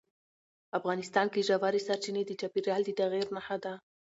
افغانستان کې ژورې سرچینې د چاپېریال د تغیر نښه ده.